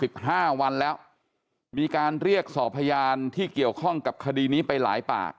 สิบห้าวันแล้วมีการเรียกสอบพยานที่เกี่ยวข้องกับคดีนี้ไปหลายปาก